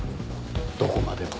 どこまでも。